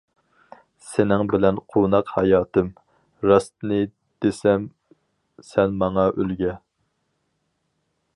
سېنىڭ بىلەن قۇۋناق ھاياتىم، راستنى دېسەم سەن ماڭا ئۈلگە.